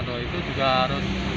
oh itu juga harus